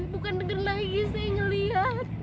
bukan denger lagi saya ngelihat